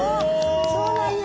そうなんや！